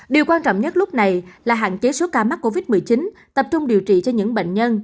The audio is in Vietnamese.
điều quan trọng nhất lúc này là hạn chế số ca mắc covid một mươi chín tập trung điều trị cho những bệnh nhân